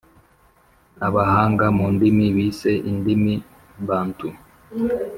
abahanga mu ndimi bise indimi Bantu.